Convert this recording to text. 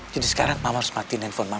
jadi sekarang mama harus matiin handphone mama